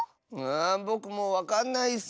ぼくもうわかんないッス。